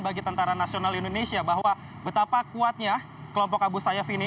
bagi tentara nasional indonesia bahwa betapa kuatnya kelompok abu sayyaf ini